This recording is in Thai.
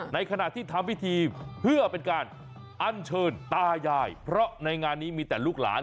ในขณะที่ทำพิธีเพื่อเป็นการอัญเชิญตายายเพราะในงานนี้มีแต่ลูกหลาน